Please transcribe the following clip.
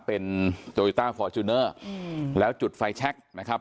เป็นโตโยต้าฟอร์จูเนอร์แล้วจุดไฟแชคนะครับ